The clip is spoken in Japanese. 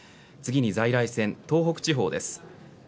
次に在来線、東北地方です。